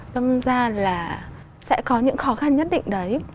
tâm ra là sẽ có những khó khăn nhất định đấy